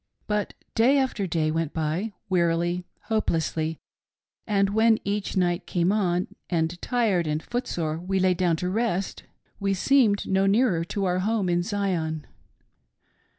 " But day after day went by— wearily, hopelessly — and PASSING THROUGH IOWA. 209 when each night came on, and, tired and footsore, we lay down to rest we seemed no nearer to our home in Zion.